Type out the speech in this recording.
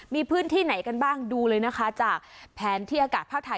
มีพื้นที่ไหนกันบ้างดูเลยนะคะจากแผนที่อากาศภาคไทย